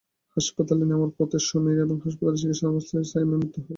হাসপাতালে নেওয়ার পথে সুমীর এবং হাসপাতালে চিকিৎসাধীন অবস্থায় সায়েমের মৃত্যু হয়।